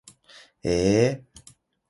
えー